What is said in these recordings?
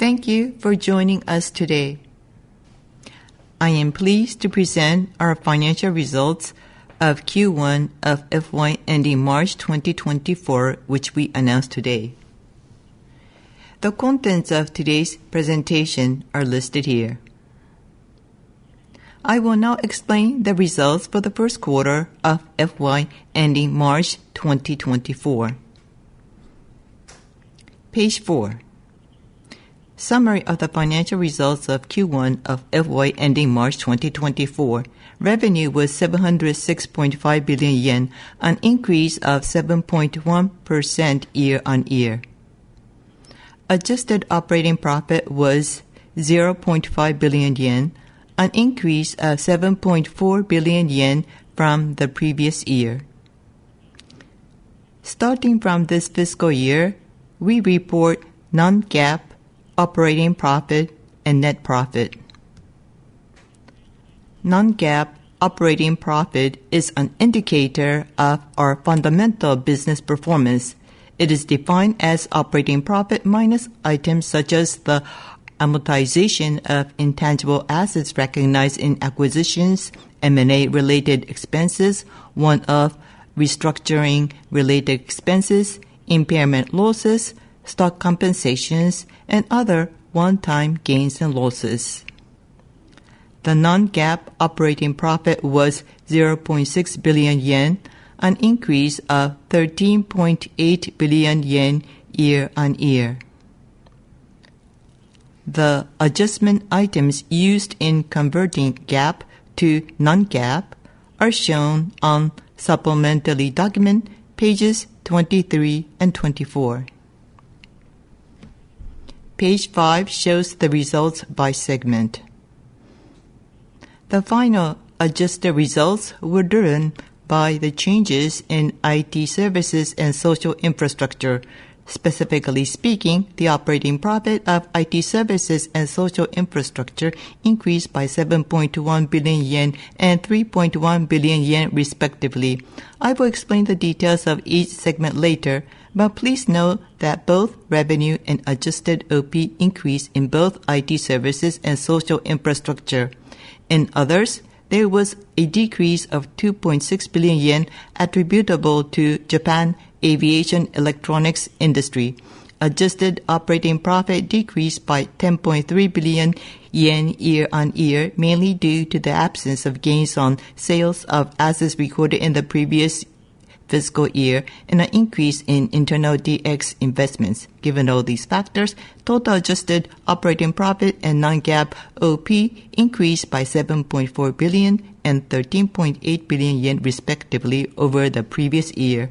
Thank you for joining us today. I am pleased to present our financial results of Q1 of FY ending March 2024, which we announced today. The contents of today's presentation are listed here. I will now explain the results for the first quarter of FY ending March 2024. Page Four, summary of the financial results of Q1 of FY ending March 2024. Revenue was 706.5 billion yen, an increase of 7.1% year-on-year. Adjusted operating profit was 0.5 billion yen, an increase of 7.4 billion yen from the previous year. Starting from this fiscal year, we report non-GAAP operating profit and net profit. Non-GAAP operating profit is an indicator of our fundamental business performance. It is defined as operating profit minus items such as the amortization of intangible assets recognized in acquisitions, M&A-related expenses, one-off restructuring-related expenses, impairment losses, stock compensations, and other one-time gains and losses. The non-GAAP operating profit was 0.6 billion yen, an increase of 13.8 billion yen year-on-year. The adjustment items used in converting GAAP to non-GAAP are shown on supplementary document, pages 23 and 24. Page five shows the results by segment. The final adjusted results were driven by the changes in IT Services and Social Infrastructure. Specifically speaking, the operating profit of IT services and social infrastructure increased by 7.1 billion yen and 3.1 billion yen, respectively. I will explain the details of each segment later, but please note that both revenue and adjusted OP increased in both IT services and social infrastructure. In others, there was a decrease of 2.6 billion yen attributable to Japan Aviation Electronics Industry. Adjusted operating profit decreased by 10.3 billion yen year-on-year, mainly due to the absence of gains on sales of assets recorded in the previous fiscal year and an increase in internal DX investments. Given all these factors, total adjusted operating profit and non-GAAP OP increased by 7.4 billion and 13.8 billion yen, respectively, over the previous year.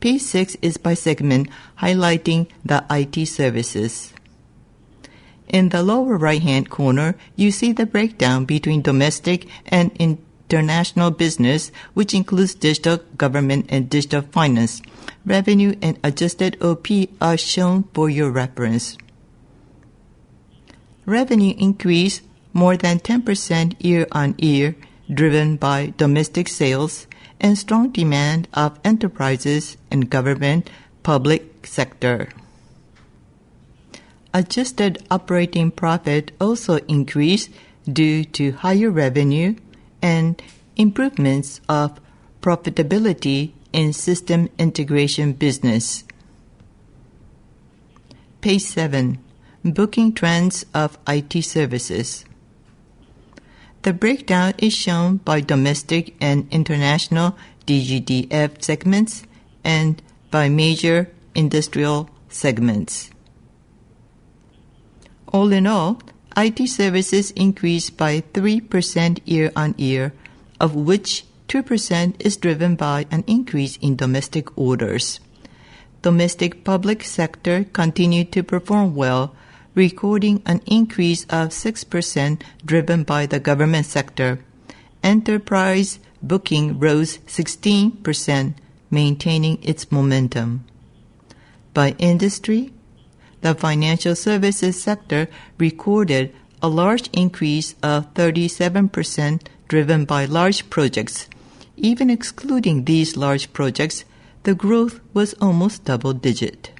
Page six is by segment, highlighting the IT services. In the lower right-hand corner, you see the breakdown between domestic and international business, which includes Digital Government and Digital Finance. Revenue and adjusted OP are shown for your reference. Revenue increased more than 10% year-on-year, driven by domestic sales and strong demand of enterprises and government public sector. Adjusted operating profit also increased due to higher revenue and improvements of profitability in system integration business. Page seven, booking trends of IT services. The breakdown is shown by domestic and international DGDF segments and by major industrial segments. All in all, IT services increased by 3% year-on-year, of which 2% is driven by an increase in domestic orders. Domestic public sector continued to perform well, recording an increase of 6%, driven by the government sector. Enterprise booking rose 16%, maintaining its momentum. By industry, the financial services sector recorded a large increase of 37%, driven by large projects. Even excluding these large projects, the growth was almost double-digit.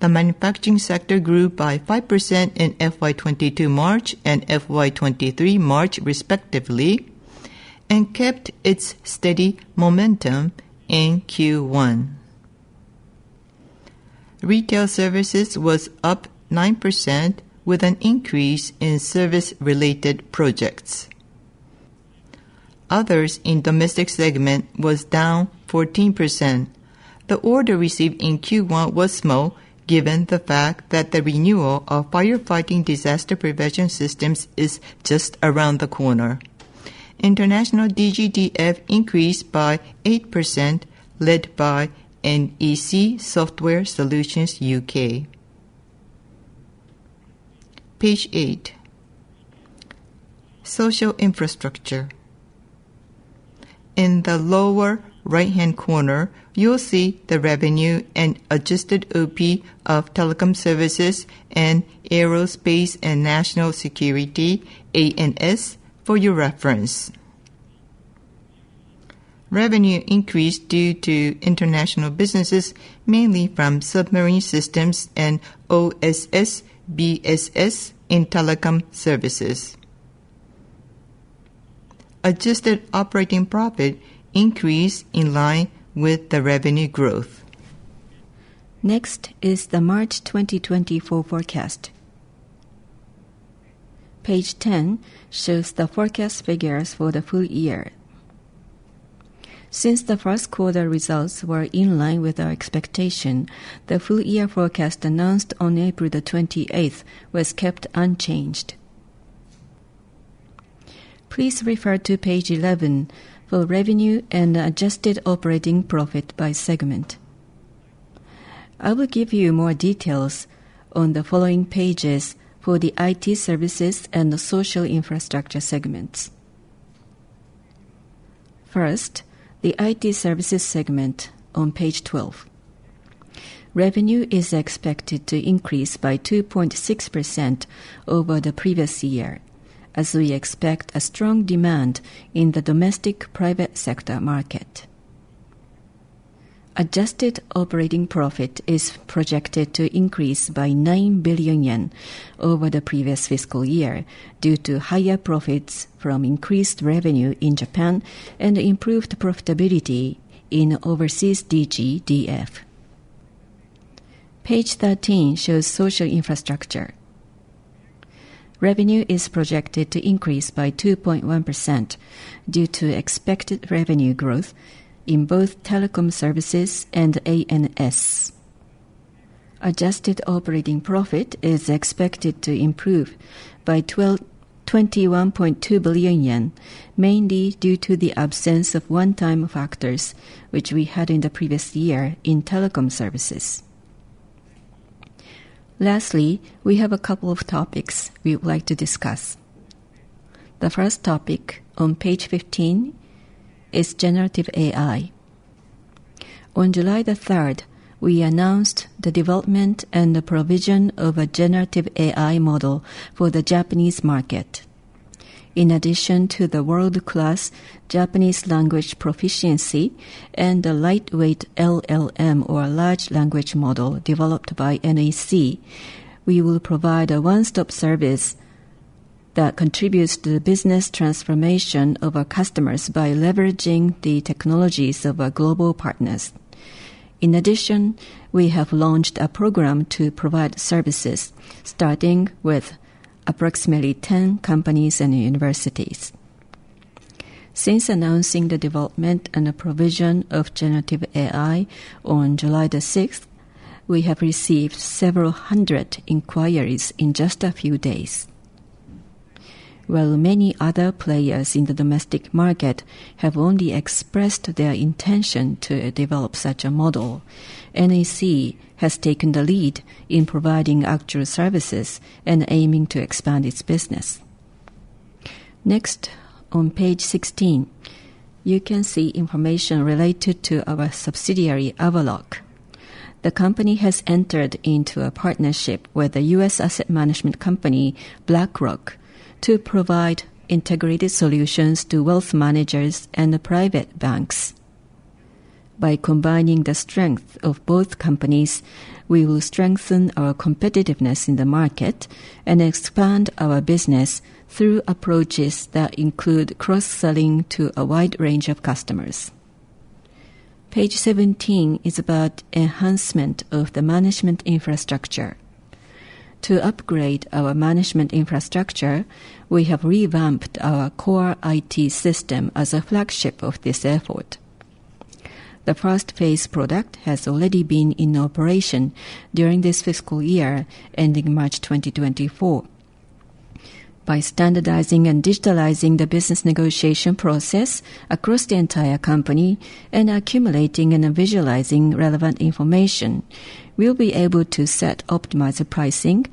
The manufacturing sector grew by 5% in FY 2022 March and FY 2023 March, respectively, and kept its steady momentum in Q1. Retail services was up 9% with an increase in service-related projects. Others in domestic segment was down 14%. The order received in Q1 was small, given the fact that the renewal of firefighting disaster prevention systems is just around the corner. International DGDF increased by 8%, led by NEC Software Solutions UK. Page eight, Social Infrastructure. In the lower right-hand corner, you'll see the revenue and adjusted OP of Telecom Services and Aerospace and National Security, ANS, for your reference. Revenue increased due to international businesses, mainly from submarine systems and OSS/BSS in Telecom Services. Adjusted operating profit increased in line with the revenue growth. Next is the March 2024 forecast. Page ten shows the forecast figures for the full year. Since the first quarter results were in line with our expectation, the full-year forecast announced on April 28th was kept unchanged. Please refer to page 11 for revenue and adjusted operating profit by segment. I will give you more details on the following pages for the IT services and the social infrastructure segments. First, the IT services segment on page 12. Revenue is expected to increase by 2.6% over the previous year, as we expect a strong demand in the domestic private sector market. Adjusted Operating Profit is projected to increase by 9 billion yen over the previous fiscal year, due to higher profits from increased revenue in Japan and improved profitability in overseas DGDF. Page 13 shows social infrastructure. Revenue is projected to increase by 2.1% due to expected revenue growth in both Telecom Services and ANS. Adjusted operating profit is expected to improve by 21.2 billion yen, mainly due to the absence of one-time factors, which we had in the previous year in Telecom Services. Lastly, we have a couple of topics we would like to discuss. The first topic on page 15 is generative AI. On July the 3rd, we announced the development and the provision of a generative AI model for the Japanese market. In addition to the world-class Japanese language proficiency and the lightweight LLM, or large language model, developed by NEC, we will provide a one-stop service that contributes to the business transformation of our customers by leveraging the technologies of our global partners. In addition, we have launched a program to provide services, starting with approximately ten companies and universities. Since announcing the development and the provision of generative AI on July 6, we have received several hundred inquiries in just a few days. While many other players in the domestic market have only expressed their intention to develop such a model, NEC has taken the lead in providing actual services and aiming to expand its business. Next, on page 16, you can see information related to our subsidiary, Avaloq. The company has entered into a partnership with the U.S. asset management company, BlackRock, to provide integrated solutions to wealth managers and the private banks. By combining the strength of both companies, we will strengthen our competitiveness in the market and expand our business through approaches that include cross-selling to a wide range of customers. Page 17 is about enhancement of the management infrastructure. To upgrade our management infrastructure, we have revamped our core IT system as a flagship of this effort. The first phase product has already been in operation during this fiscal year, ending March 2024. By standardizing and digitalizing the business negotiation process across the entire company and accumulating and visualizing relevant information, we'll be able to set optimized pricing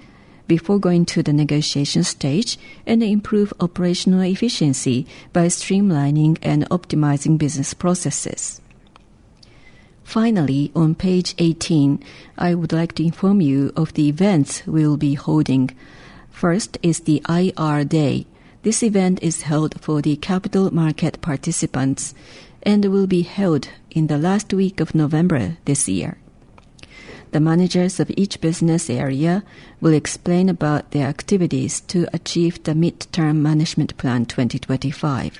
before going to the negotiation stage, and improve operational efficiency by streamlining and optimizing business processes. Finally, on page 18, I would like to inform you of the events we will be holding. First is the IR Day. This event is held for the capital market participants and will be held in the last week of November this year. The managers of each business area will explain about their activities to achieve the Mid-term Management Plan 2025.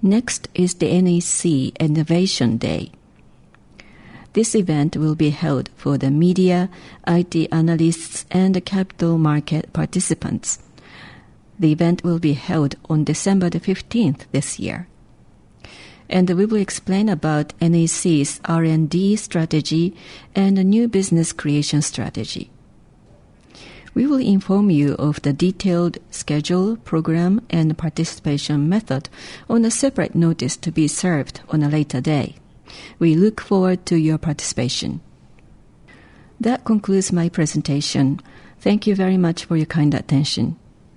Next is the NEC Innovation Day. This event will be held for the media, IT analysts, and the capital market participants. The event will be held on December 15th this year, and we will explain about NEC's R&D strategy and a new business creation strategy. We will inform you of the detailed schedule, program, and participation method on a separate notice to be served on a later day. We look forward to your participation. That concludes my presentation. Thank you very much for your kind attention.